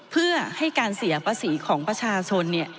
เพื่อให้การเสียภาษีของประชาชน